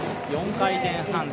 ４回転半。